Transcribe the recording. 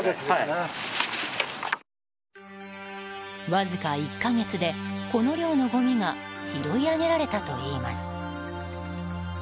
わずか１か月でこの量のごみが拾い上げられたといいます。